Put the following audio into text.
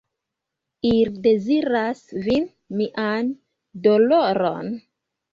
Ili deziras vidi mian doloron.